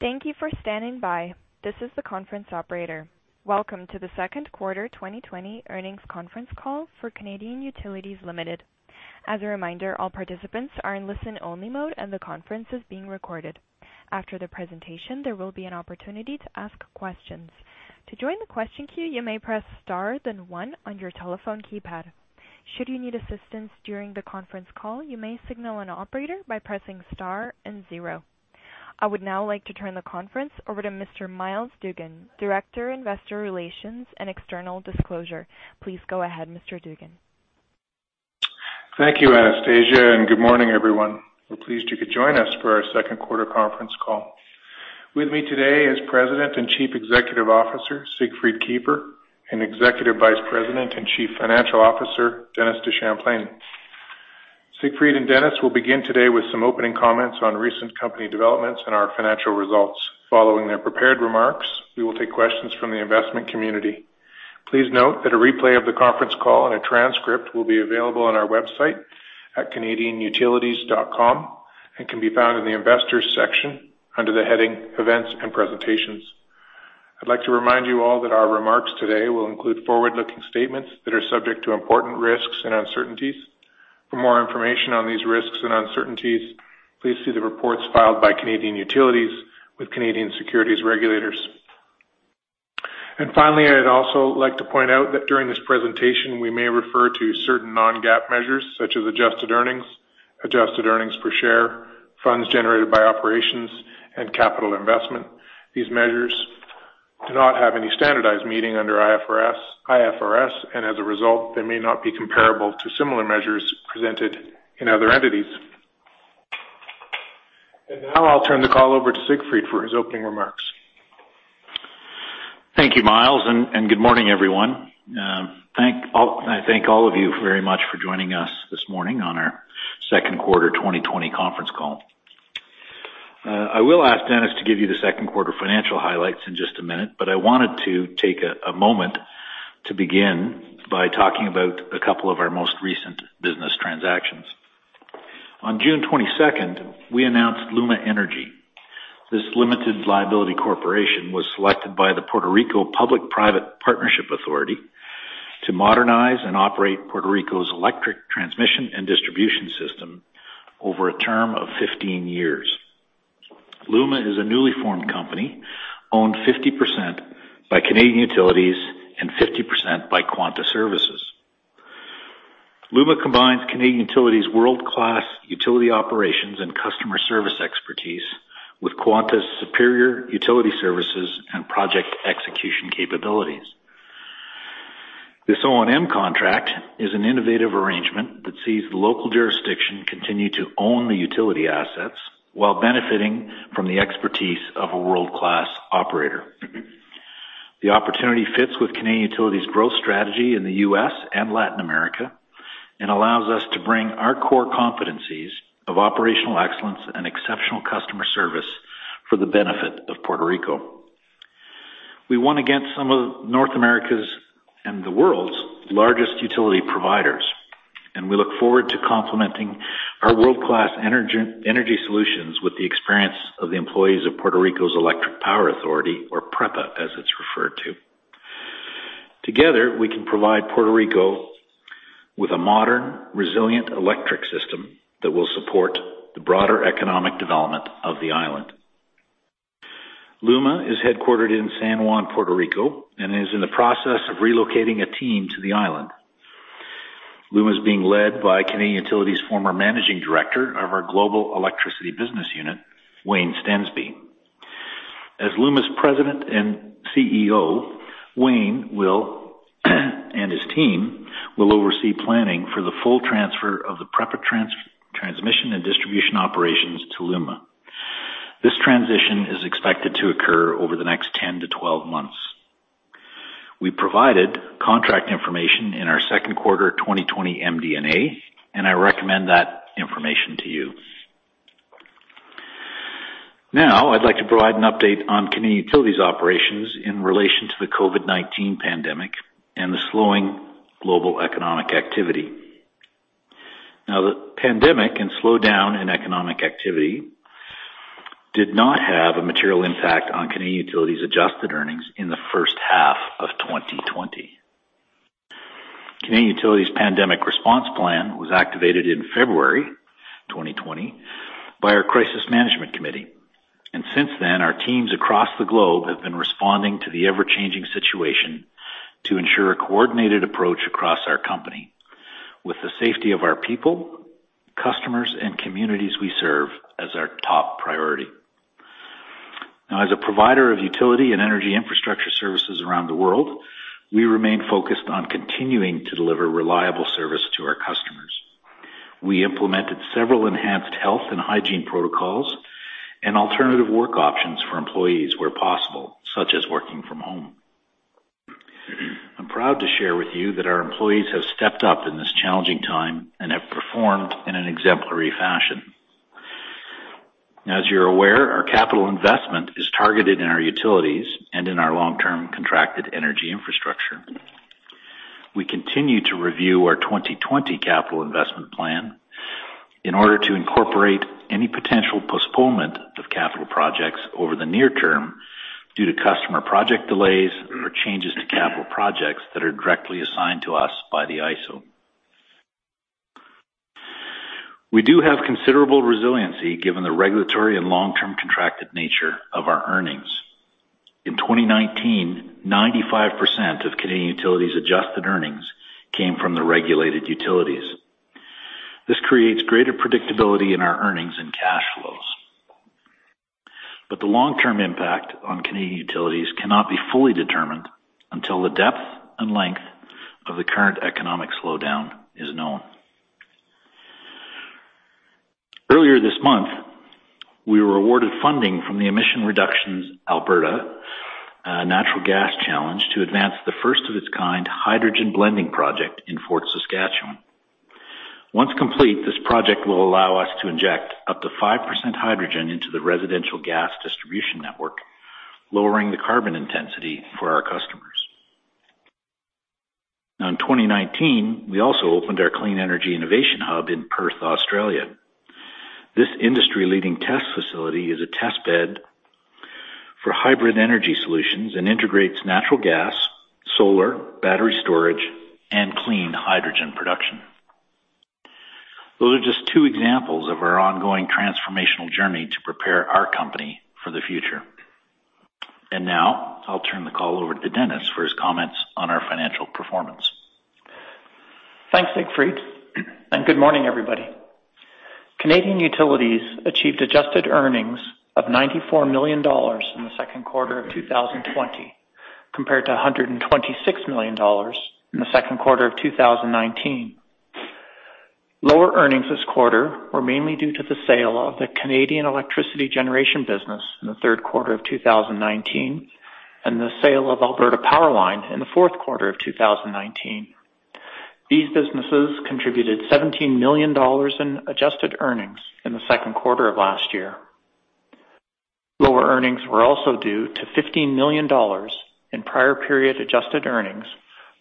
Thank you for standing by. This is the conference operator. Welcome to the second quarter 2020 earnings conference call for Canadian Utilities Limited. As a reminder, all participants are in listen-only mode and the conference is being recorded. After the presentation, there will be an opportunity to ask questions. To join the question queue, you may press star then one on your telephone keypad. Should you need assistance during the conference call, you may signal an operator by pressing star and zero. I would now like to turn the conference over to Mr. Myles Dougan, Director, Investor Relations and External Disclosure. Please go ahead, Mr. Dougan. Thank you, Anastasia. Good morning, everyone. We're pleased you could join us for our second quarter conference call. With me today is President and Chief Executive Officer, Siegfried Kiefer, and Executive Vice President and Chief Financial Officer, Dennis DeChamplain. Siegfried and Dennis will begin today with some opening comments on recent company developments and our financial results. Following their prepared remarks, we will take questions from the investment community. Please note that a replay of the conference call and a transcript will be available on our website at canadianutilities.com and can be found in the investors section under the heading Events and Presentations. I'd like to remind you all that our remarks today will include forward-looking statements that are subject to important risks and uncertainties. For more information on these risks and uncertainties, please see the reports filed by Canadian Utilities with Canadian securities regulators. Finally, I'd also like to point out that during this presentation, we may refer to certain non-GAAP measures such as adjusted earnings, adjusted earnings per share, funds generated by operations, and capital investment. These measures do not have any standardized meaning under IFRS, and as a result, they may not be comparable to similar measures presented in other entities. Now I'll turn the call over to Siegfried for his opening remarks. Thank you, Myles. Good morning, everyone. I thank all of you very much for joining us this morning on our second quarter 2020 conference call. I will ask Dennis to give you the second quarter financial highlights in just a minute. I wanted to take a moment to begin by talking about a couple of our most recent business transactions. On June 22nd, we announced LUMA Energy. This limited liability corporation was selected by the Puerto Rico Public-Private Partnership Authority to modernize and operate Puerto Rico's electric transmission and distribution system over a term of 15 years. LUMA is a newly formed company owned 50% by Canadian Utilities and 50% by Quanta Services. LUMA combines Canadian Utilities' world-class utility operations and customer service expertise with Quanta's superior utility services and project execution capabilities. This O&M contract is an innovative arrangement that sees the local jurisdiction continue to own the utility assets while benefiting from the expertise of a world-class operator. The opportunity fits with Canadian Utilities' growth strategy in the U.S. and Latin America and allows us to bring our core competencies of operational excellence and exceptional customer service for the benefit of Puerto Rico. We won against some of North America's, and the world's, largest utility providers, and we look forward to complementing our world-class energy solutions with the experience of the employees of Puerto Rico Electric Power Authority, or PREPA, as it's referred to. Together, we can provide Puerto Rico with a modern, resilient electric system that will support the broader economic development of the island. LUMA is headquartered in San Juan, Puerto Rico, and is in the process of relocating a team to the island. LUMA is being led by Canadian Utilities' former managing director of our global electricity business unit, Wayne Stensby. As LUMA's President and CEO, Wayne and his team will oversee planning for the full transfer of the PREPA transmission and distribution operations to LUMA. This transition is expected to occur over the next 10-12 months. We provided contract information in our second quarter 2020 MD&A, and I recommend that information to you. I'd like to provide an update on Canadian Utilities' operations in relation to the COVID-19 pandemic and the slowing global economic activity. The pandemic and slowdown in economic activity did not have a material impact on Canadian Utilities' adjusted earnings in the first half of 2020. Canadian Utilities' pandemic response plan was activated in February 2020 by our Crisis Management Committee. Since then, our teams across the globe have been responding to the ever-changing situation to ensure a coordinated approach across our company with the safety of our people, customers, and communities we serve as our top priority. As a provider of utility and energy infrastructure services around the world, we remain focused on continuing to deliver reliable service to our customers. We implemented several enhanced health and hygiene protocols and alternative work options for employees where possible, such as working from home. I'm proud to share with you that our employees have stepped up in this challenging time and have performed in an exemplary fashion. As you're aware, our capital investment is targeted in our utilities and in our long-term contracted energy infrastructure. We continue to review our 2020 capital investment plan in order to incorporate any potential postponement of capital projects over the near term due to customer project delays or changes to capital projects that are directly assigned to us by the ISO. We do have considerable resiliency given the regulatory and long-term contracted nature of our earnings. In 2019, 95% of Canadian Utilities' adjusted earnings came from the regulated utilities. This creates greater predictability in our earnings and cash flows. The long-term impact on Canadian Utilities cannot be fully determined until the depth and length of the current economic slowdown is known. Earlier this month, we were awarded funding from the Emissions Reduction Alberta Natural Gas Challenge to advance the first of its kind hydrogen blending project in Fort Saskatchewan. Once complete, this project will allow us to inject up to 5% hydrogen into the residential gas distribution network, lowering the carbon intensity for our customers. In 2019, we also opened our clean energy innovation hub in Perth, Australia. This industry-leading test facility is a test bed for hybrid energy solutions and integrates natural gas, solar, battery storage, and clean hydrogen production. Those are just two examples of our ongoing transformational journey to prepare our company for the future. Now, I'll turn the call over to Dennis for his comments on our financial performance. Thanks, Siegfried, and good morning, everybody. Canadian Utilities achieved adjusted earnings of 94 million dollars in the second quarter of 2020, compared to 126 million dollars in the second quarter of 2019. Lower earnings this quarter were mainly due to the sale of the Canadian Generation Business in the third quarter of 2019 and the sale of Alberta PowerLine in the fourth quarter of 2019. These businesses contributed 17 million dollars in adjusted earnings in the second quarter of last year. Lower earnings were also due to 15 million dollars in prior period adjusted earnings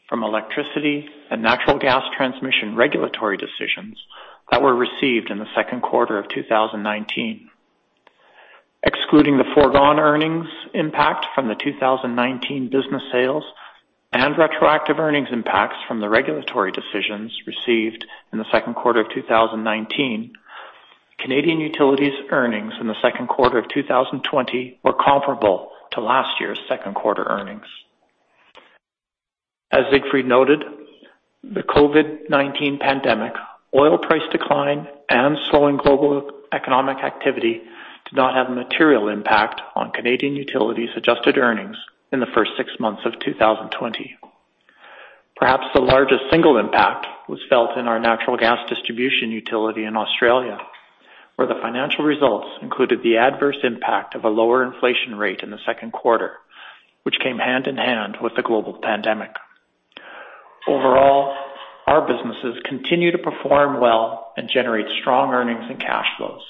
from electricity and natural gas transmission regulatory decisions that were received in the second quarter of 2019. Excluding the foregone earnings impact from the 2019 business sales and retroactive earnings impacts from the regulatory decisions received in the second quarter of 2019, Canadian Utilities earnings in the second quarter of 2020 were comparable to last year's second-quarter earnings. As Siegfried noted, the COVID-19 pandemic, oil price decline, and slowing global economic activity did not have a material impact on Canadian Utilities' adjusted earnings in the first six months of 2020. Perhaps the largest single impact was felt in our natural gas distribution utility in Australia, where the financial results included the adverse impact of a lower inflation rate in the second quarter, which came hand-in-hand with the global pandemic. Overall, our businesses continue to perform well and generate strong earnings and cash flows.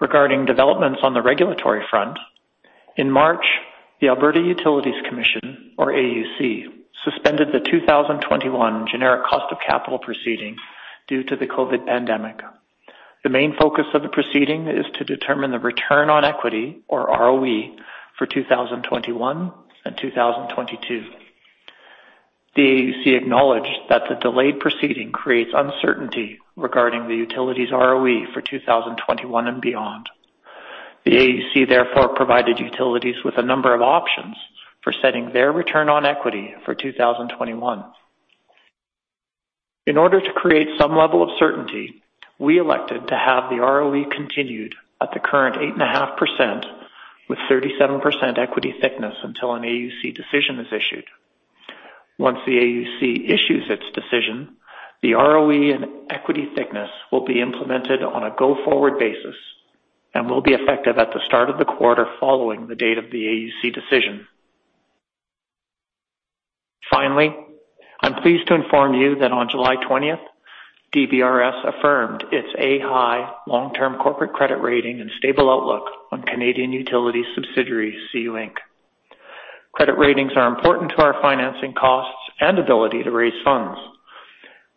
Regarding developments on the regulatory front, in March, the Alberta Utilities Commission, or AUC, suspended the 2021 generic cost of capital proceeding due to the COVID-19 pandemic. The main focus of the proceeding is to determine the return on equity, or ROE, for 2021 and 2022. The AUC acknowledged that the delayed proceeding creates uncertainty regarding the utility's ROE for 2021 and beyond. The AUC therefore provided utilities with a number of options for setting their return on equity for 2021. In order to create some level of certainty, we elected to have the ROE continued at the current 8.5% with 37% equity thickness until an AUC decision is issued. Once the AUC issues its decision, the ROE and equity thickness will be implemented on a go-forward basis and will be effective at the start of the quarter following the date of the AUC decision. Finally, I'm pleased to inform you that on July 20th, DBRS affirmed its A (high) long-term corporate credit rating and stable outlook on Canadian Utilities subsidiary CU Inc. Credit ratings are important to our financing costs and ability to raise funds.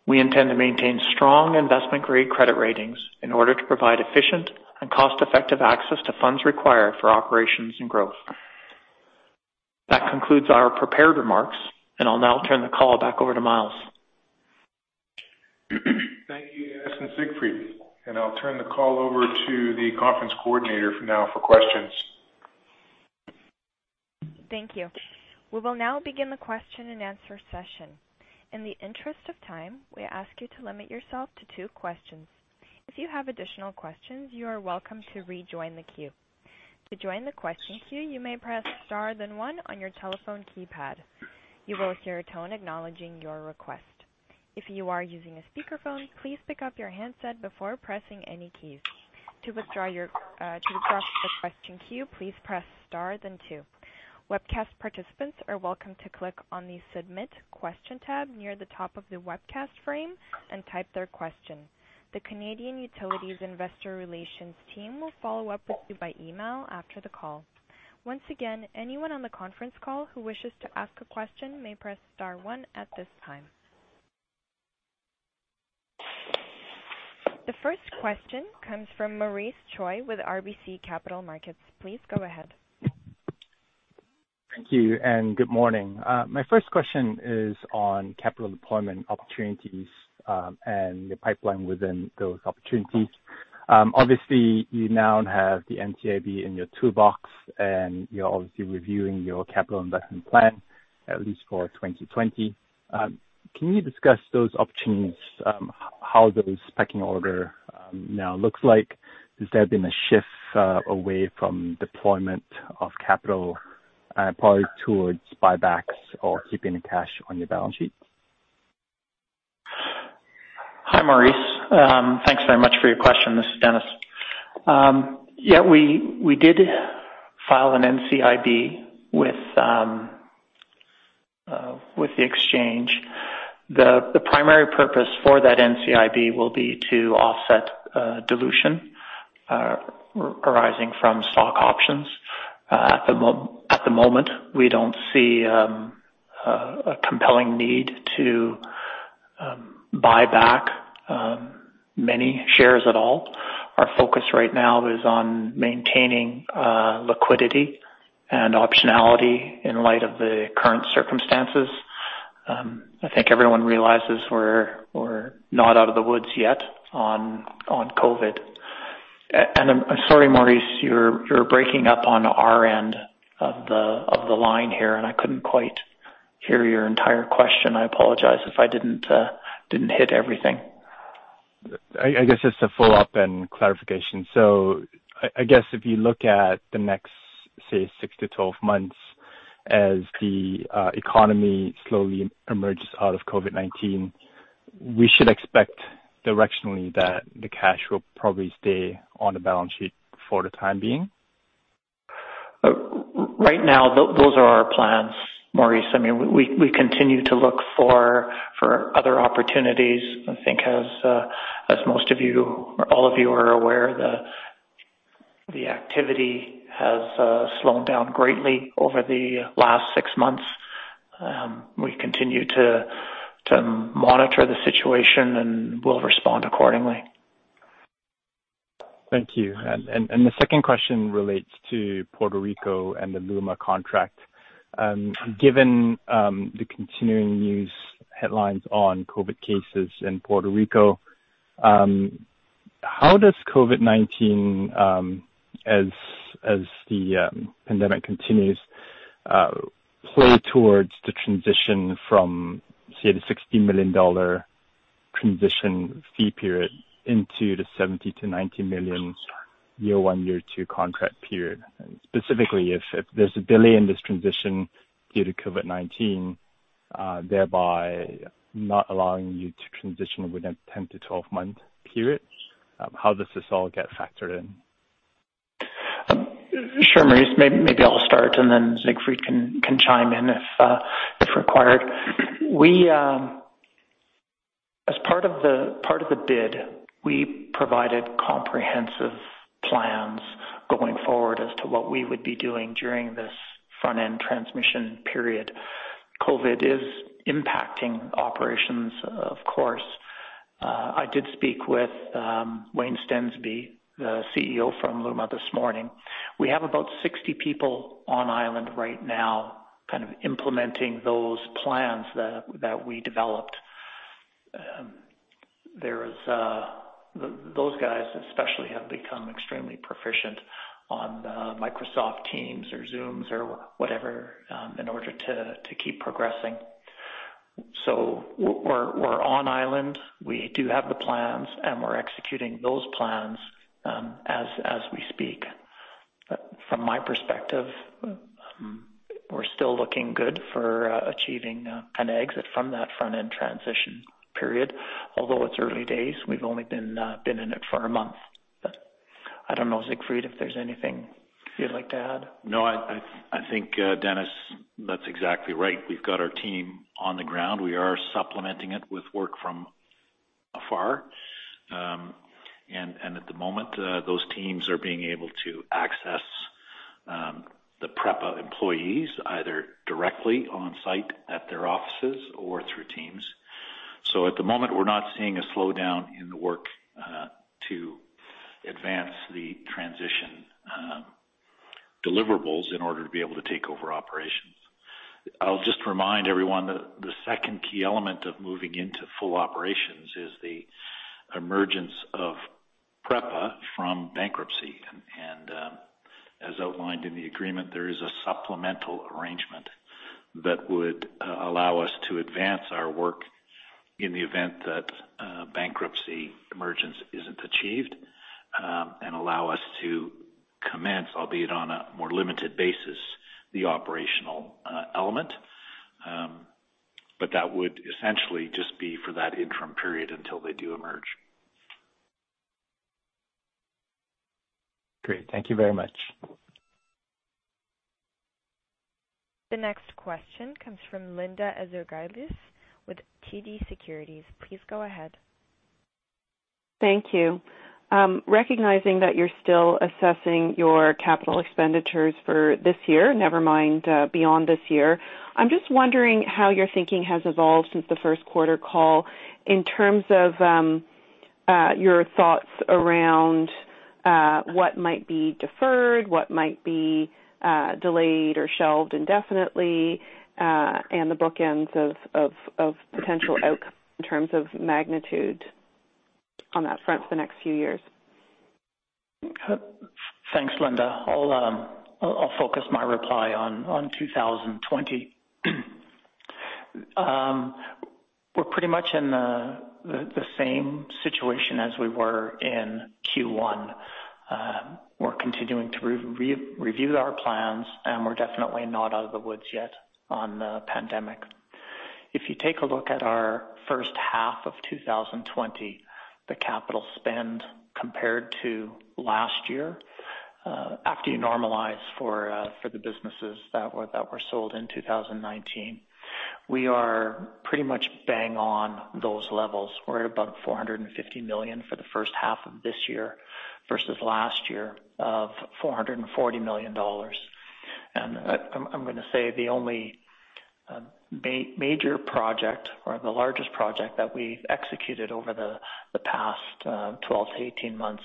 We intend to maintain strong investment-grade credit ratings in order to provide efficient and cost-effective access to funds required for operations and growth. That concludes our prepared remarks. I'll now turn the call back over to Myles. Thank you, Dennis and Siegfried, and I'll turn the call over to the conference coordinator now for questions. Thank you. We will now begin the question-and-answer session. In the interest of time, we ask you to limit yourself to two questions. If you have additional questions, you are welcome to rejoin the queue. To join the question queue, you may press star then one on your telephone keypad. You will hear a tone acknowledging your request. If you are using a speakerphone, please pick up your handset before pressing any keys. To withdraw from the question queue, please press star then two. Webcast participants are welcome to click on the Submit Question tab near the top of the webcast frame and type their question. The Canadian Utilities investor relations team will follow up with you by email after the call. Once again, anyone on the conference call who wishes to ask a question may press star one at this time. The first question comes from Maurice Choy with RBC Capital Markets. Please go ahead. Thank you, and good morning. My first question is on capital deployment opportunities and your pipeline within those opportunities. Obviously, you now have the NCIB in your toolbox, and you're obviously reviewing your capital investment plan, at least for 2020. Can you discuss those opportunities? How the pecking order now looks like? Has there been a shift away from deployment of capital, probably towards buybacks or keeping the cash on your balance sheet? Hi, Maurice. Thanks very much for your question. This is Dennis. Yeah, we did file an NCIB with the exchange. The primary purpose for that NCIB will be to offset dilution arising from stock options. At the moment, we don't see a compelling need to buy back many shares at all. Our focus right now is on maintaining liquidity and optionality in light of the current circumstances. I think everyone realizes we're not out of the woods yet on COVID-19. I'm sorry, Maurice, you're breaking up on our end of the line here, and I couldn't quite hear your entire question. I apologize if I didn't hit everything. I guess just to follow up and clarification. I guess if you look at the next, say, 6to 12 months as the economy slowly emerges out of COVID-19, we should expect directionally that the cash will probably stay on the balance sheet for the time being? Right now, those are our plans, Maurice. We continue to look for other opportunities. I think as most of you or all of you are aware, the activity has slowed down greatly over the last six months. We continue to monitor the situation and will respond accordingly. Thank you. The second question relates to Puerto Rico and the LUMA contract. Given the continuing news headlines on COVID cases in Puerto Rico, how does COVID-19, as the pandemic continues, play towards the transition from, say, the 60 million dollar transition fee period into the 70 million-90 million year one, year two contract period? Specifically, if there's a delay in this transition due to COVID-19, thereby not allowing you to transition within 10-12 month periods, how does this all get factored in? Sure, Maurice, maybe I'll start and then Siegfried can chime in if required. As part of the bid, we provided comprehensive plans going forward as to what we would be doing during this front-end transmission period. COVID is impacting operations, of course. I did speak with Wayne Stensby, the CEO from LUMA, this morning. We have about 60 people on island right now implementing those plans that we developed. Those guys especially have become extremely proficient on Microsoft Teams or Zoom or whatever in order to keep progressing. We're on island. We do have the plans, and we're executing those plans as we speak. From my perspective, we're still looking good for achieving an exit from that front-end transition period, although it's early days, we've only been in it for a month. I don't know, Siegfried, if there's anything you'd like to add. No, I think Dennis, that's exactly right. We've got our team on the ground. We are supplementing it with work from afar. At the moment, those teams are being able to access the PREPA employees, either directly on site at their offices or through Teams. At the moment, we're not seeing a slowdown in the work to advance the transition deliverables in order to be able to take over operations. I'll just remind everyone that the second key element of moving into full operations is the emergence of PREPA from bankruptcy. As outlined in the agreement, there is a supplemental arrangement that would allow us to advance our work in the event that bankruptcy emergence isn't achieved and allow us to commence, albeit on a more limited basis, the operational element. That would essentially just be for that interim period until they do emerge. Great. Thank you very much. The next question comes from Linda Ezergailis with TD Securities. Please go ahead. Thank you. Recognizing that you are still assessing your capital expenditures for this year, never mind beyond this year, I am just wondering how your thinking has evolved since the first quarter call in terms of your thoughts around what might be deferred, what might be delayed or shelved indefinitely, and the bookends of potential outcomes in terms of magnitude on that front for the next few years. Thanks, Linda. I'll focus my reply on 2020. We're pretty much in the same situation as we were in Q1. We're continuing to review our plans, and we're definitely not out of the woods yet on the pandemic. If you take a look at our first half of 2020, the capital spend compared to last year, after you normalize for the businesses that were sold in 2019, we are pretty much bang on those levels. We're at about 450 million for the first half of this year versus last year of 440 million dollars. I'm going to say the only major project or the largest project that we've executed over the past 12-18 months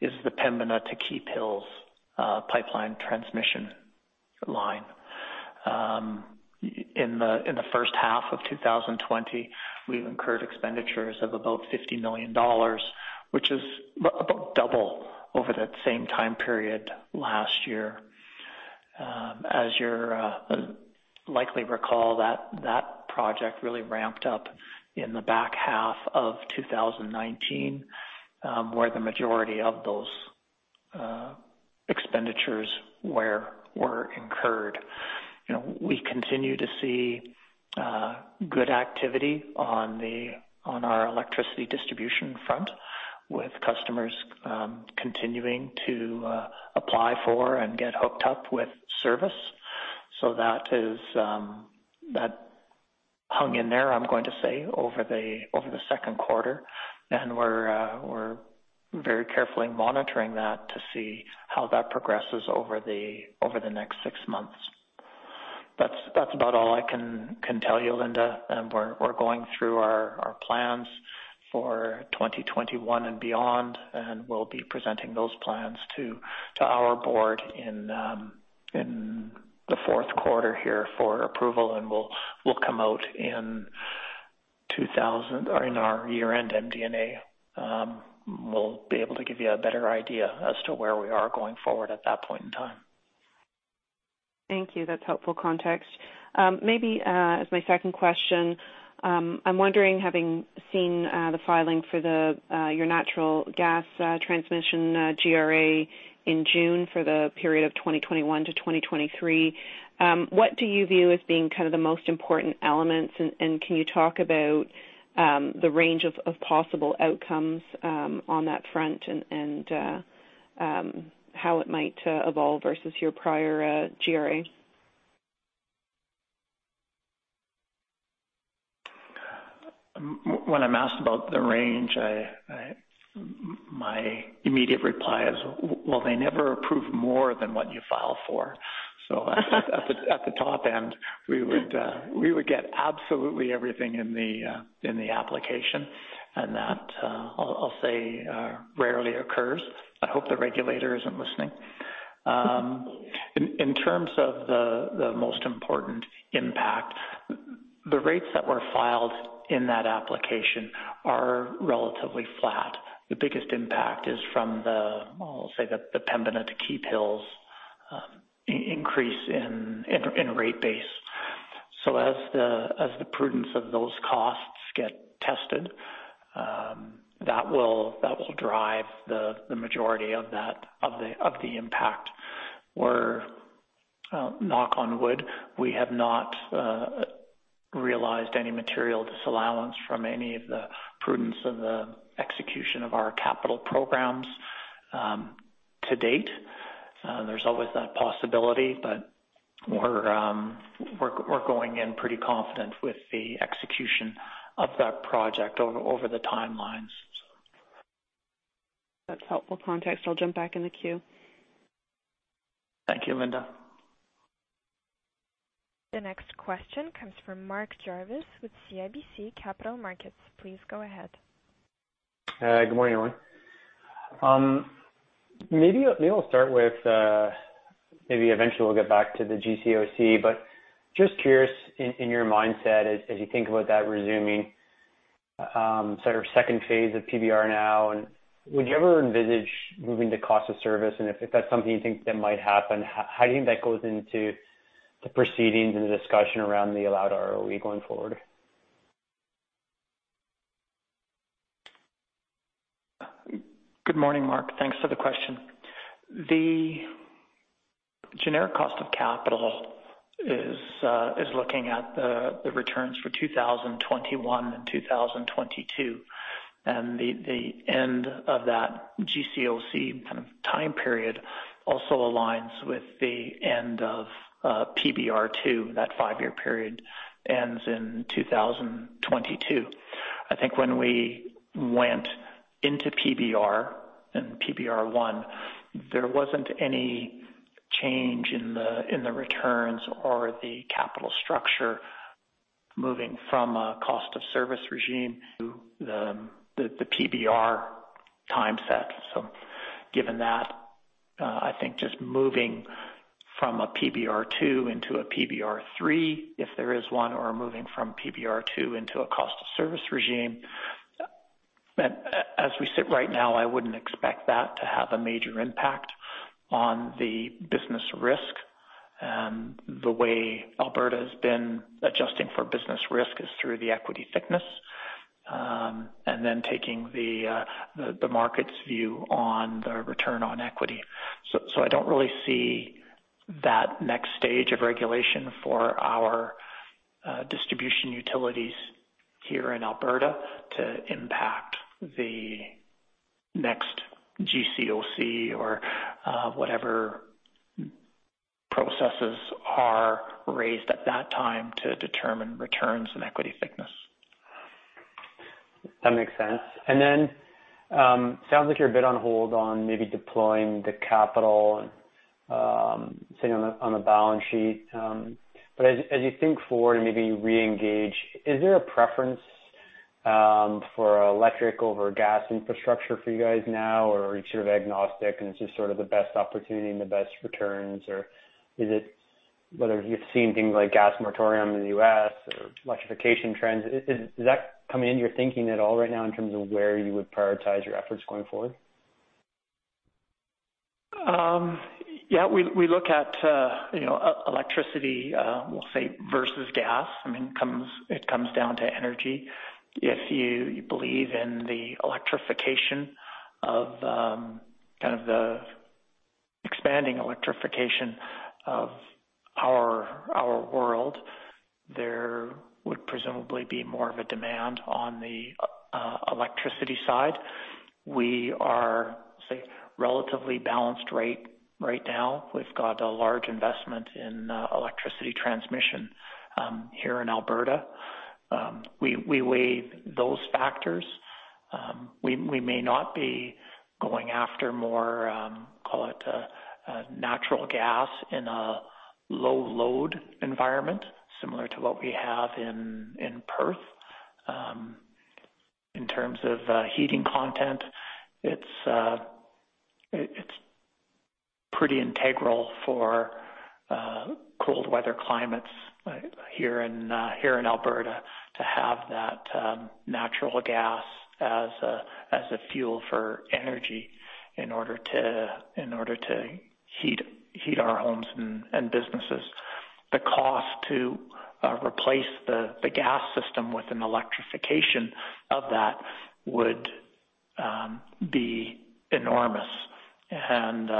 is the Pembina to Keephills pipeline transmission line. In the first half of 2020, we've incurred expenditures of about 50 million dollars, which is about double over that same time period last year. As you likely recall, that project really ramped up in the back half of 2019, where the majority of those expenditures were incurred. We continue to see good activity on our electricity distribution front, with customers continuing to apply for and get hooked up with service. That hung in there, I'm going to say, over the second quarter. We're very carefully monitoring that to see how that progresses over the next six months. That's about all I can tell you, Linda. We're going through our plans for 2021 and beyond, and we'll be presenting those plans to our board in the fourth quarter here for approval, and will come out in our year-end MD&A. We'll be able to give you a better idea as to where we are going forward at that point in time. Thank you. That's helpful context. Maybe as my second question, I'm wondering, having seen the filing for your Natural Gas Transmission GRA in June for the period of 2021-2023, what do you view as being the most important elements, and can you talk about the range of possible outcomes on that front, and how it might evolve versus your prior GRA? When I'm asked about the range, my immediate reply is, well, they never approve more than what you file for. At the top end, we would get absolutely everything in the application, and that, I'll say, rarely occurs. I hope the regulator isn't listening. In terms of the most important impact, the rates that were filed in that application are relatively flat. The biggest impact is from the, I'll say, the Pembina to Keephills increase in rate base. As the prudence of those costs get tested, that will drive the majority of the impact, where, knock on wood, we have not realized any material disallowance from any of the prudence of the execution of our capital programs to date. There's always that possibility, we're going in pretty confident with the execution of that project over the timelines. That's helpful context. I'll jump back in the queue. Thank you, Linda. The next question comes from Mark Jarvi with CIBC Capital Markets. Please go ahead. Good morning, everyone. Maybe I'll start with, maybe eventually we'll get back to the GCOC, but just curious in your mindset as you think about that resuming sort of second phase of PBR now, and would you ever envisage moving to cost of service? If that's something you think that might happen, how do you think that goes into the proceedings and the discussion around the allowed ROE going forward? Good morning, Mark. Thanks for the question. The generic cost of capital is looking at the returns for 2021 and 2022. The end of that GCOC time period also aligns with the end of PBR2. That five-year period ends in 2022. I think when we went into PBR and PBR1, there wasn't any change in the returns or the capital structure moving from a cost of service regime to the PBR time set. Given that, I think just moving from a PBR2 into a PBR3, if there is one, or moving from PBR2 into a cost of service regime. As we sit right now, I wouldn't expect that to have a major impact on the business risk. The way Alberta's been adjusting for business risk is through the equity thickness, and then taking the market's view on the return on equity. I don't really see that next stage of regulation for our distribution utilities here in Alberta to impact the next GCOC or whatever processes are raised at that time to determine returns and equity thickness. That makes sense. Sounds like you're a bit on hold on maybe deploying the capital and sitting on the balance sheet. As you think forward and maybe reengage, is there a preference for electric over gas infrastructure for you guys now, or are you sort of agnostic, and it's just sort of the best opportunity and the best returns? Is it whether you've seen things like gas moratorium in the U.S. or electrification trends, is that coming into your thinking at all right now in terms of where you would prioritize your efforts going forward? We look at electricity, we'll say, versus gas. It comes down to energy. If you believe in the expanding electrification of our world, there would presumably be more of a demand on the electricity side. We are, say, relatively balanced right now. We've got a large investment in electricity transmission here in Alberta. We weigh those factors. We may not be going after more, call it, natural gas in a low load environment, similar to what we have in Perth. In terms of heating content, it's pretty integral for cold weather climates here in Alberta to have that natural gas as a fuel for energy in order to heat our homes and businesses. The cost to replace the gas system with an electrification of that would be enormous, kind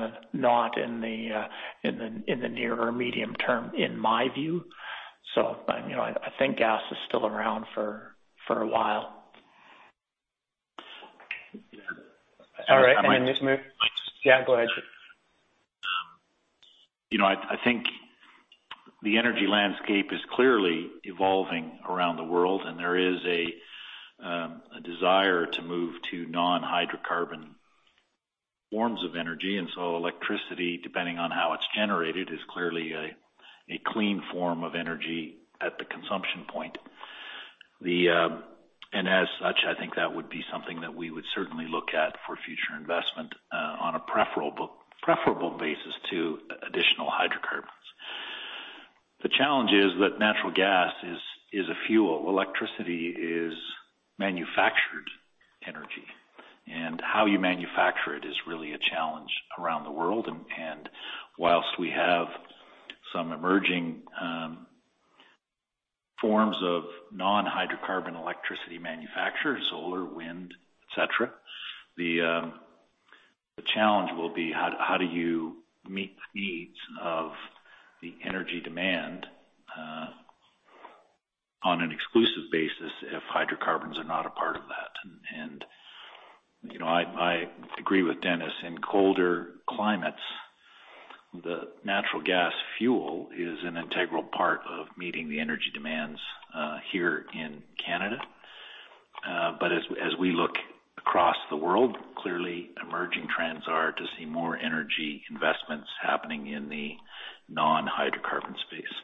of not in the near or medium term, in my view. I think gas is still around for a while. All right. I might just- Yeah, go ahead. I think the energy landscape is clearly evolving around the world, and there is a desire to move to non-hydrocarbon forms of energy. Electricity, depending on how it's generated, is clearly a clean form of energy at the consumption point. As such, I think that would be something that we would certainly look at for future investment on a preferable basis to additional hydrocarbons. The challenge is that natural gas is a fuel. Electricity is manufactured energy, and how you manufacture it is really a challenge around the world. Whilst we have some emerging forms of non-hydrocarbon electricity manufacturers, solar, wind, et cetera, the challenge will be how do you meet the needs of the energy demand on an exclusive basis if hydrocarbons are not a part of that. I agree with Dennis. In colder climates, the natural gas fuel is an integral part of meeting the energy demands here in Canada. As we look across the world, clearly emerging trends are to see more energy investments happening in the non-hydrocarbon space.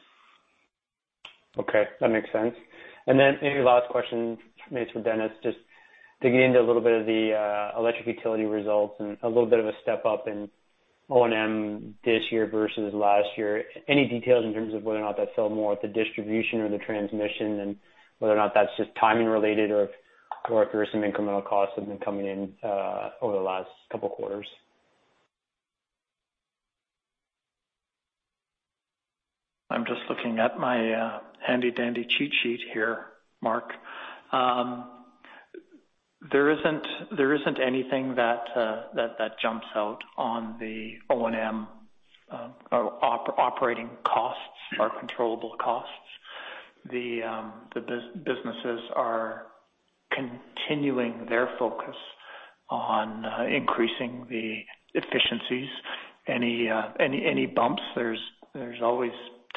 Okay, that makes sense. Maybe last question, maybe it's for Dennis, just digging into a little bit of the electric utility results and a little bit of a step-up in O&M this year versus last year. Any details in terms of whether or not that fell more at the distribution or the transmission, and whether or not that's just timing related or if there are some incremental costs that have been coming in over the last couple of quarters? I'm just looking at my handy dandy cheat sheet here, Mark. There isn't anything that jumps out on the O&M or operating costs or controllable costs. The businesses are continuing their focus on increasing the efficiencies. Any bumps, there's always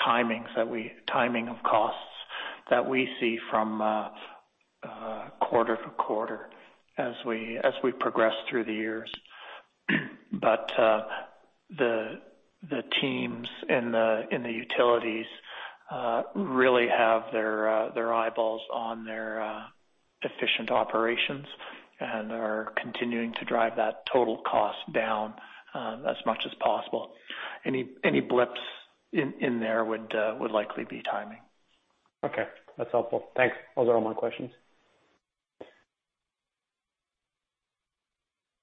timings, timing of costs that we see from quarter-to-quarter as we progress through the years. The teams in the utilities really have their eyeballs on their efficient operations and are continuing to drive that total cost down as much as possible. Any blips in there would likely be timing. Okay. That's helpful. Thanks. Those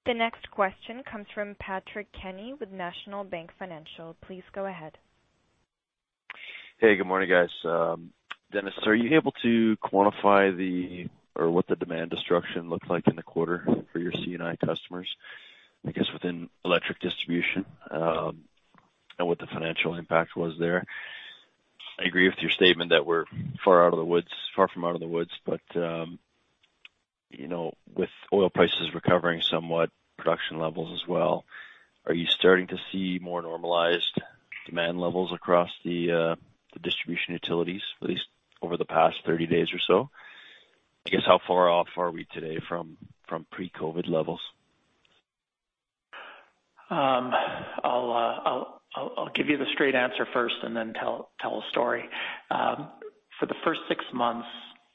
are all my questions. The next question comes from Patrick Kenny with National Bank Financial. Please go ahead. Hey, good morning, guys. Dennis, are you able to quantify what the demand destruction looked like in the quarter for your C&I customers, I guess, within electric distribution? What the financial impact was there? I agree with your statement that we're far from out of the woods, but, with oil prices recovering somewhat, production levels as well, are you starting to see more normalized demand levels across the distribution utilities, at least over the past 30 days or so? I guess, how far off are we today from pre-COVID-19 levels? I'll give you the straight answer first and then tell a story. For the first six months,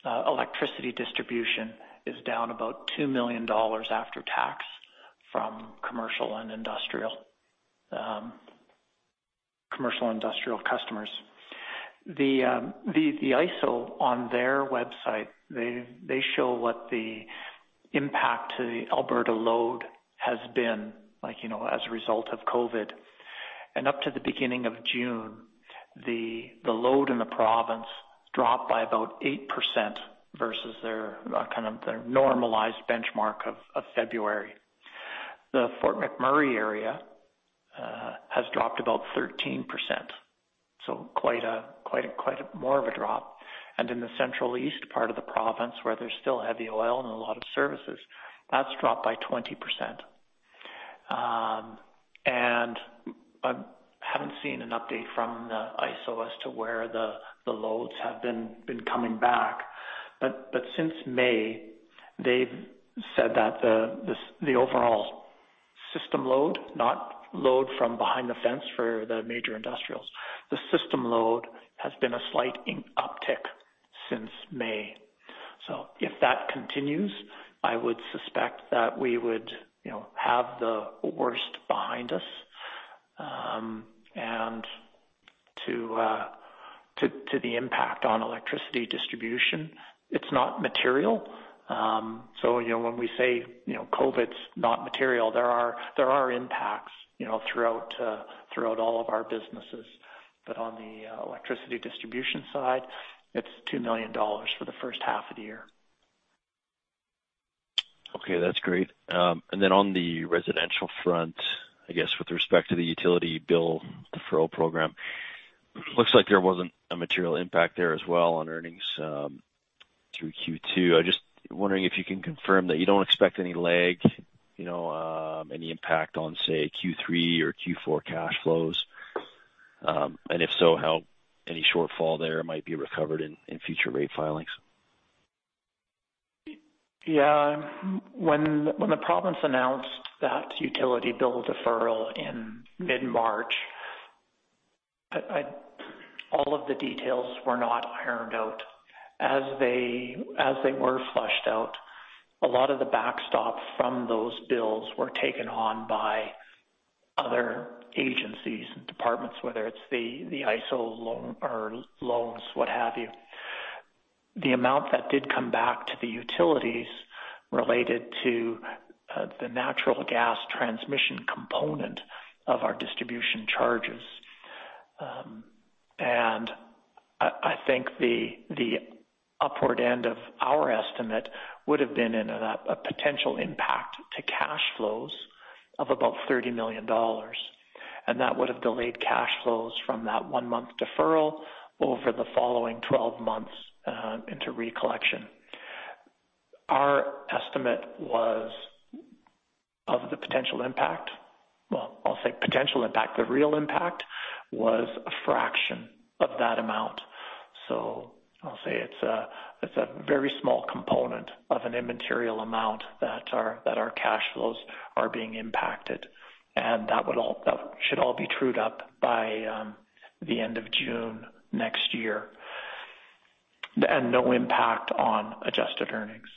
electricity distribution is down about 2 million dollars after tax from commercial and industrial customers. The AESO on their website, they show what the impact to the Alberta load has been as a result of COVID. Up to the beginning of June, the load in the province dropped by about 8% versus their normalized benchmark of February. The Fort McMurray area has dropped about 13%, so quite more of a drop. In the central east part of the province, where there's still heavy oil and a lot of services, that's dropped by 20%. I haven't seen an update from the AESO as to where the loads have been coming back. Since May, they've said that the overall system load, not load from behind the fence for the major industrials, the system load has been a slight uptick since May. If that continues, I would suspect that we would have the worst behind us. To the impact on electricity distribution, it's not material. When we say COVID-19's not material, there are impacts throughout all of our businesses. On the electricity distribution side, it's 2 million dollars for the first half of the year. Okay. That's great. On the residential front, I guess with respect to the utility bill deferral program, looks like there wasn't a material impact there as well on earnings through Q2. I'm just wondering if you can confirm that you don't expect any lag, any impact on, say, Q3 or Q4 cash flows? If so, how any shortfall there might be recovered in future rate filings? When the province announced that utility bill deferral in mid-March, all of the details were not ironed out. As they were fleshed out, a lot of the backstop from those bills were taken on by other agencies and departments, whether it's the AESO loans, what have you. The amount that did come back to the utilities related to the natural gas transmission component of our distribution charges, I think the upward end of our estimate would've been in a potential impact to cash flows of about 30 million dollars. That would've delayed cash flows from that one-month deferral over the following 12 months into recollection. Our estimate was of the potential impact, well, I'll say potential impact, the real impact was a fraction of that amount. I'll say it's a very small component of an immaterial amount that our cash flows are being impacted, and that should all be trued up by the end of June next year. No impact on adjusted earnings.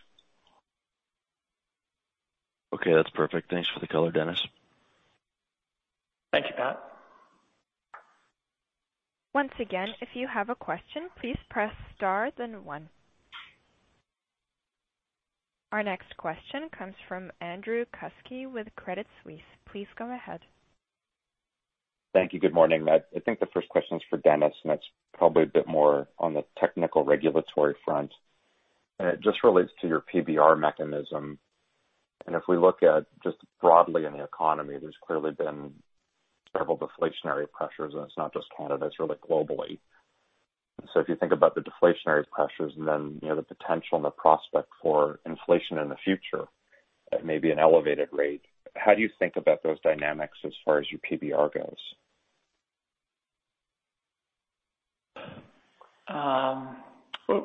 Okay. That's perfect. Thanks for the color, Dennis. Thank you, Pat. Once again, if you have a question, please press star then one. Our next question comes from Andrew Kuske with Credit Suisse. Please go ahead. Thank you. Good morning. I think the first question is for Dennis, that's probably a bit more on the technical regulatory front. It just relates to your PBR mechanism. If we look at just broadly in the economy, there's clearly been several deflationary pressures, and it's not just Canada, it's really globally. So if you think about the deflationary pressures and then the potential and the prospect for inflation in the future at maybe an elevated rate, how do you think about those dynamics as far as your PBR goes?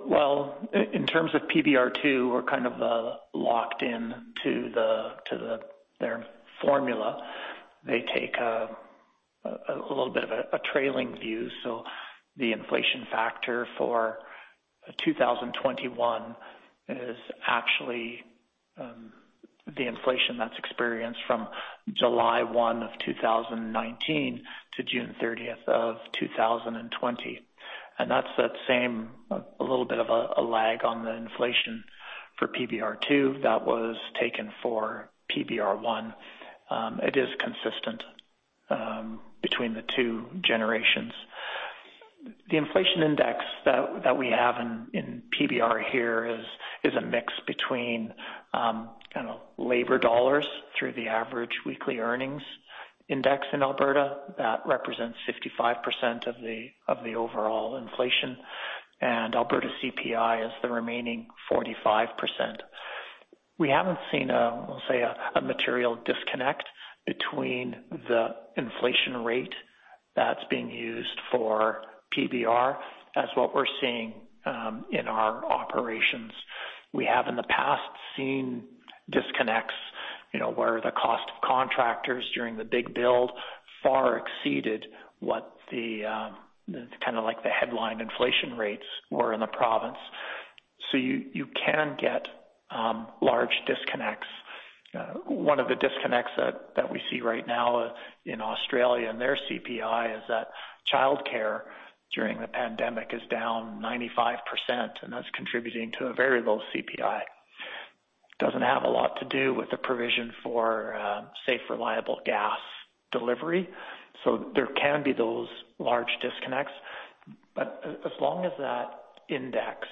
Well, in terms of PBR2, we're kind of locked in to their formula. They take a little bit of a trailing view. The inflation factor for 2021 is actually the inflation that's experienced from July 1, 2019 to June 30th, 2020. That's that same, a little bit of a lag on the inflation for PBR2 that was taken for PBR1. It is consistent between the two generations. The inflation index that we have in PBR here is a mix between kind of labor dollars through the average weekly earnings index in Alberta. That represents 65% of the overall inflation. Alberta CPI is the remaining 45%. We haven't seen, we'll say, a material disconnect between the inflation rate that's being used for PBR as what we're seeing in our operations. We have in the past seen disconnects where the cost of contractors during the big build far exceeded what the headline inflation rates were in the province. You can get large disconnects. One of the disconnects that we see right now in Australia and their CPI is that childcare during the pandemic is down 95%, and that's contributing to a very low CPI. Doesn't have a lot to do with the provision for safe, reliable gas delivery. There can be those large disconnects. As long as that index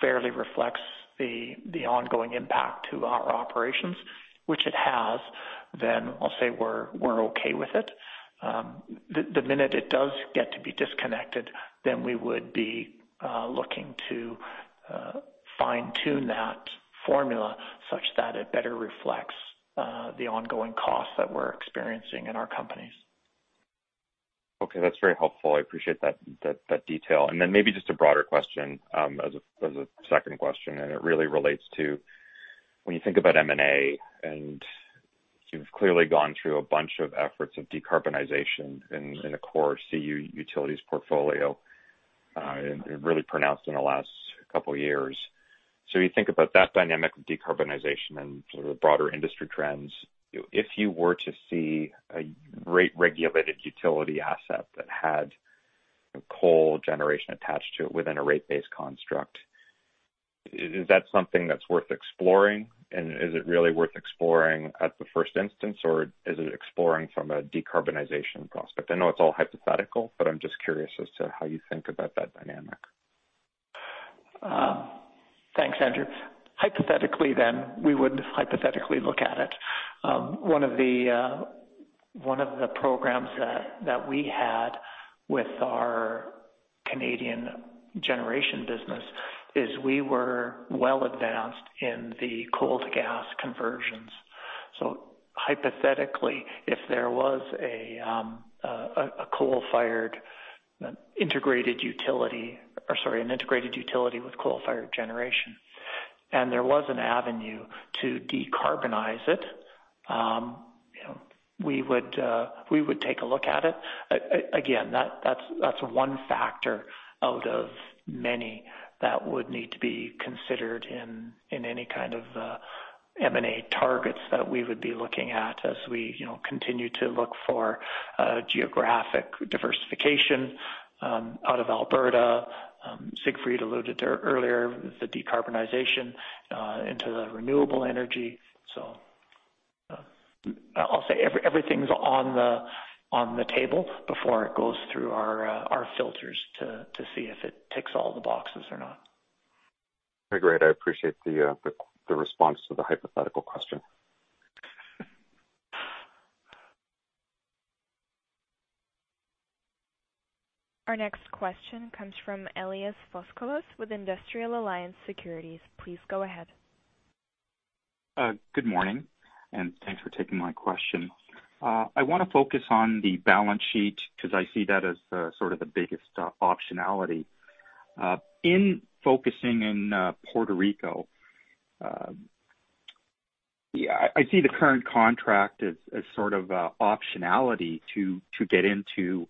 fairly reflects the ongoing impact to our operations, which it has, then I'll say we're okay with it. The minute it does get to be disconnected, we would be looking to fine-tune that formula such that it better reflects the ongoing costs that we're experiencing in our companies. Okay. That's very helpful. I appreciate that detail. Maybe just a broader question as a second question, and it really relates to when you think about M&A, and you've clearly gone through a bunch of efforts of decarbonization in the core CU Utilities portfolio, and really pronounced in the last couple of years. You think about that dynamic of decarbonization and sort of broader industry trends. If you were to see a rate-regulated utility asset that had coal generation attached to it within a rate-based construct, is that something that's worth exploring? Is it really worth exploring at the first instance, or is it exploring from a decarbonization prospect? I know it's all hypothetical, but I'm just curious as to how you think about that dynamic. Thanks, Andrew. Hypothetically then, we would hypothetically look at it. One of the programs that we had with our Canadian Generation Business is we were well advanced in the coal-to-gas conversions. Hypothetically, if there was a coal-fired integrated utility or, sorry, an integrated utility with coal-fired generation, and there was an avenue to decarbonize it, we would take a look at it. Again, that's one factor out of many that would need to be considered in any kind of M&A targets that we would be looking at as we continue to look for geographic diversification out of Alberta. Siegfried alluded there earlier, the decarbonization into the renewable energy. I'll say everything's on the table before it goes through our filters to see if it ticks all the boxes or not. Great. I appreciate the response to the hypothetical question. Our next question comes from Elias Foscolos with Industrial Alliance Securities. Please go ahead. Good morning. Thanks for taking my question. I want to focus on the balance sheet because I see that as sort of the biggest optionality. In focusing in Puerto Rico, I see the current contract as sort of an optionality to get into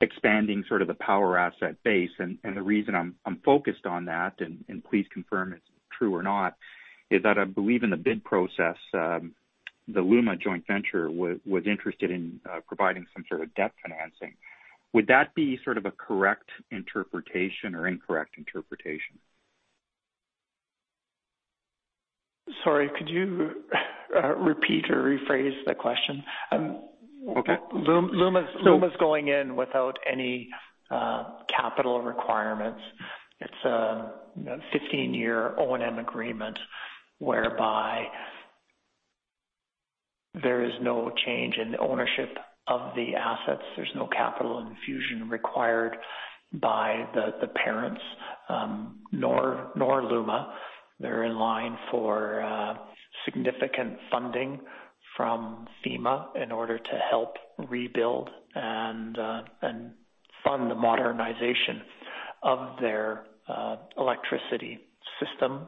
expanding sort of the power asset base. The reason I'm focused on that, and please confirm it's true or not, is that I believe in the bid process, the LUMA joint venture was interested in providing some sort of debt financing. Would that be sort of a correct interpretation or incorrect interpretation? Sorry, could you repeat or rephrase the question? Okay. LUMA's going in without any capital requirements. It's a 15-year O&M agreement whereby. There is no change in the ownership of the assets. There's no capital infusion required by the parents, nor LUMA. They're in line for significant funding from FEMA in order to help rebuild and fund the modernization of their electricity system.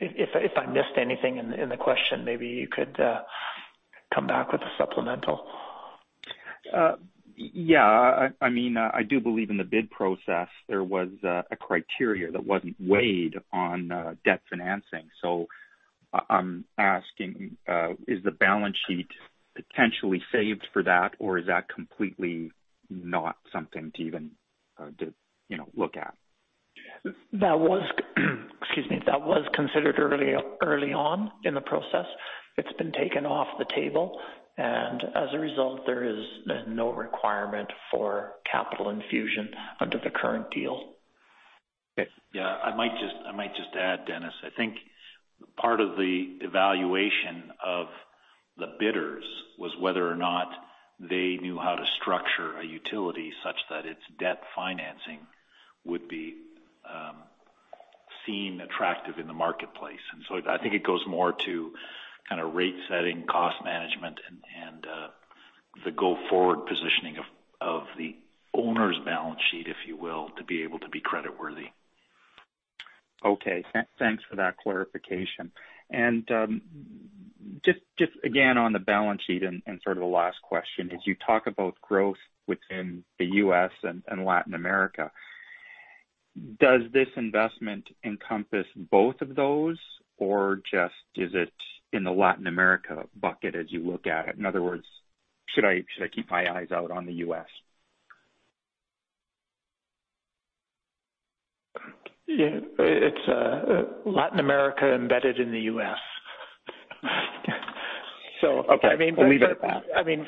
If I missed anything in the question, maybe you could come back with a supplemental. Yeah. I do believe in the bid process, there was a criteria that wasn't weighed on debt financing. I'm asking, is the balance sheet potentially saved for that, or is that completely not something to even look at? That was excuse me. That was considered early on in the process. It's been taken off the table, and as a result, there is no requirement for capital infusion under the current deal. Okay. Yeah. I might just add, Dennis. I think part of the evaluation of the bidders was whether or not they knew how to structure a utility such that its debt financing would be seen attractive in the marketplace. I think it goes more to kind of rate setting, cost management, and the go-forward positioning of the owner's balance sheet, if you will, to be able to be credit worthy. Okay. Thanks for that clarification. Just again, on the balance sheet and sort of a last question. As you talk about growth within the U.S. and Latin America, does this investment encompass both of those, or just is it in the Latin America bucket as you look at it? In other words, should I keep my eyes out on the U.S.? Yeah. It's Latin America embedded in the U.S. Okay. We'll leave it at that.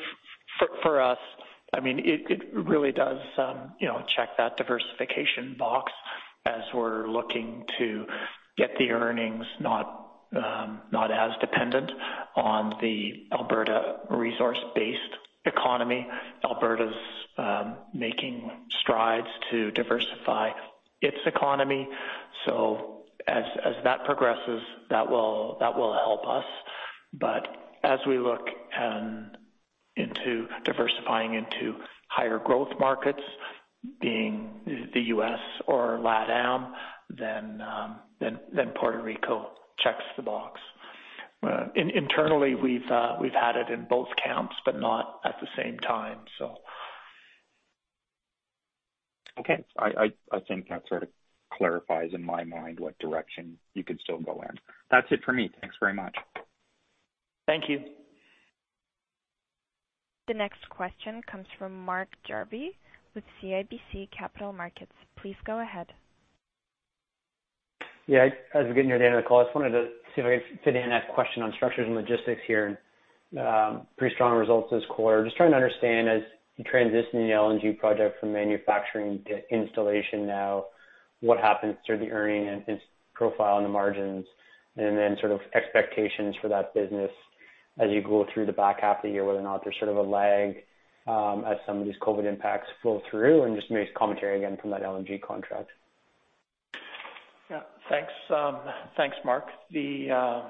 For us, it really does check that diversification box as we're looking to get the earnings not as dependent on the Alberta resource-based economy. Alberta's making strides to diversify its economy. As that progresses, that will help us. As we look into diversifying into higher growth markets being the U.S. or LATAM, Puerto Rico checks the box. Internally, we've had it in both camps, but not at the same time. Okay. I think that sort of clarifies in my mind what direction you could still go in. That's it for me. Thanks very much. Thank you. The next question comes from Mark Jarvi with CIBC Capital Markets. Please go ahead. Yeah. As we're getting near the end of the call, I just wanted to see if I could fit in that question on structures and logistics here. Pretty strong results this quarter. Just trying to understand, as you transition the LNG project from manufacturing to installation now, what happens to the earning and profile and the margins, and then sort of expectations for that business as you go through the back half of the year, whether or not there's sort of a lag as some of these COVID impacts flow through and just maybe commentary again from that LNG contract. Thanks Mark. The right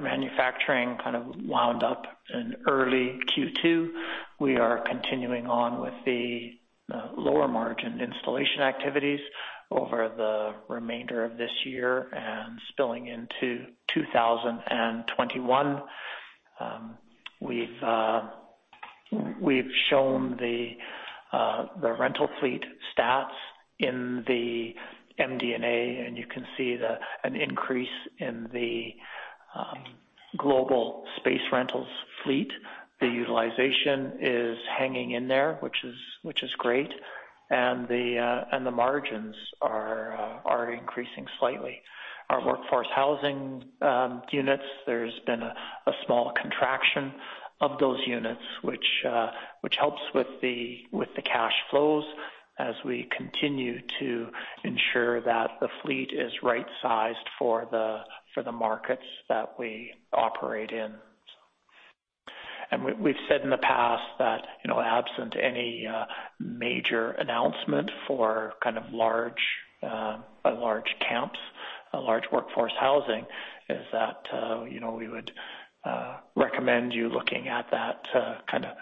manufacturing kind of wound up in early Q2. We are continuing on with the lower margin installation activities over the remainder of this year and spilling into 2021. We've shown the rental fleet stats in the MD&A, you can see an increase in the global space rentals fleet. The utilization is hanging in there, which is great, and the margins are increasing slightly. Our workforce housing units, there's been a small contraction of those units, which helps with the cash flows as we continue to ensure that the fleet is right-sized for the markets that we operate in. We've said in the past that absent any major announcement for kind of large camps, large workforce housing, is that we would recommend you looking at that kind of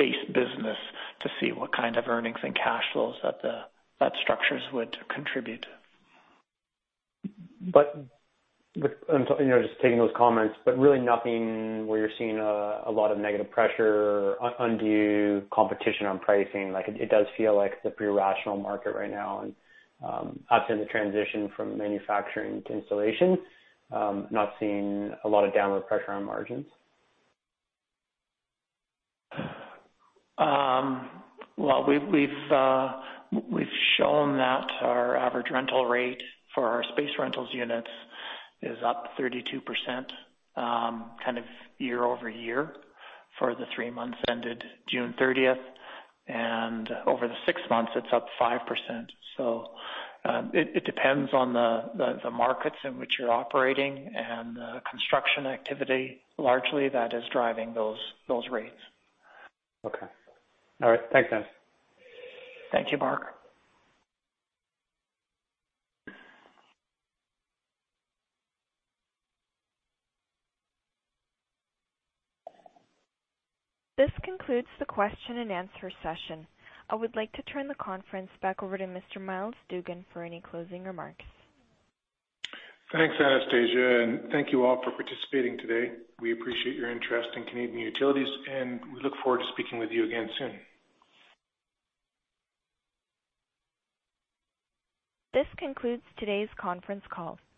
base business to see what kind of earnings and cash flows that structures would contribute. Just taking those comments, really nothing where you're seeing a lot of negative pressure or undue competition on pricing. It does feel like it's a pretty rational market right now and up in the transition from manufacturing to installation, not seeing a lot of downward pressure on margins. Well, we've shown that our average rental rate for our space rentals units is up 32% kind of year-over-year for the three months ended June thirtieth. Over the six months, it's up 5%. It depends on the markets in which you're operating and the construction activity largely that is driving those rates. Okay. All right. Thanks, Dennis. Thank you, Mark. This concludes the question and answer session. I would like to turn the conference back over to Mr. Myles Dougan for any closing remarks. Thanks, Anastasia, and thank you all for participating today. We appreciate your interest in Canadian Utilities, and we look forward to speaking with you again soon. This concludes today's conference call.